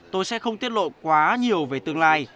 tôi sẽ không tiết lộ quá nhiều về tương lai